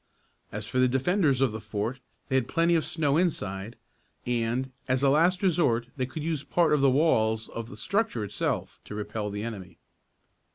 As for the defenders of the fort, they had plenty of snow inside, and, as a last resort they could use part of the walls of the structure itself to repel the enemy.